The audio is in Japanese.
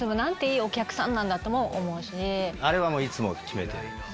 あれはいつも決めてるんです。